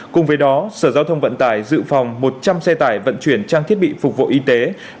cùng với đó sở giao thông vận tải dự phòng một trăm linh xe tải vận chuyển trang thiết bị phục vụ y tế